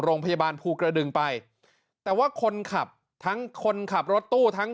โรงพยาบาลภูกระดึงไปแต่ว่าคนขับทั้งคนขับรถตู้ทั้ง